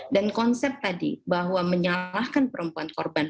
dan konsep tadi bahwa menyalahkan perempuan korban